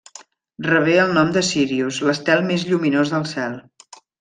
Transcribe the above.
Rebé el nom de Sírius, l'estel més lluminós del cel.